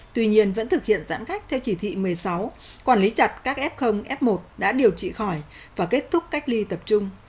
tuy nhiên vẫn thực hiện giãn cách theo chỉ thị một mươi sáu quản lý chặt các f f một đã điều trị khỏi và kết thúc cách ly tập trung